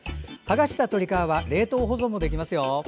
はがした鶏皮は冷凍保存もできますよ。